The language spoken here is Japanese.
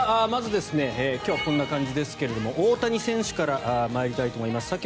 まず、今日はこんな感じですが大谷選手から参りたいと思います。